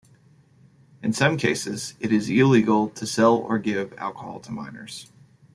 In some cases, it is illegal to sell or give alcohol to minors.